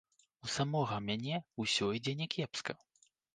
У самога мяне ўсё ідзе някепска.